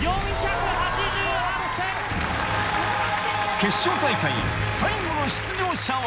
決勝大会最後の出場者は？